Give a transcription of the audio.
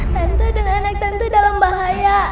tentu dan anak tentu dalam bahaya